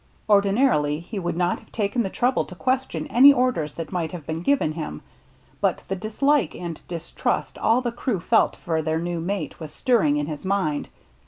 Ordinarily he would not have taken the trouble to question any orders that might have been given him, but the dislike and distrust all the crew felt for their new mate was stirring in his mind.